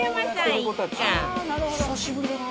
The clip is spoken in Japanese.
「久しぶりだな」